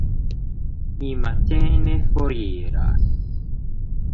Ni matene foriras.